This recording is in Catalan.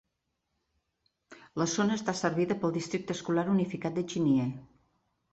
La zona està servida pel districte escolar unificat de Chinle.